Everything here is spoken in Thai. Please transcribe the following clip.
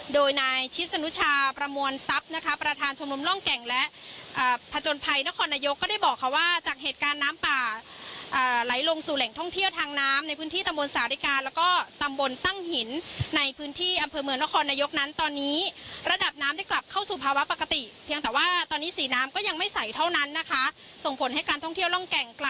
โดยนายชิสนุชาประมวลทรัพย์นะคะประทานชมลมร่องแก่งและอ่าผจญภัยนครนโยกก็ได้บอกค่ะว่าจากเหตุการณ์น้ำป่าอ่าไหลลงสู่แหล่งท่องเที่ยวทางน้ำในพื้นที่ตำบนสาธิกาแล้วก็ตำบนตั้งหินในพื้นที่อำเภอเมืองนครนโยกนั้นตอนนี้ระดับน้ำได้กลับเข้าสู่ภาวะปกติเพียงแต่ว่า